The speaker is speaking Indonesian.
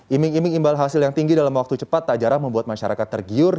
iming iming imbal hasil yang tinggi dalam waktu cepat tak jarang membuat masyarakat tergiur